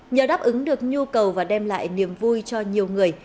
nhờ đáp ứng được nhu cầu và đem lại niềm vui cho nhiều người